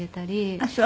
あっそう。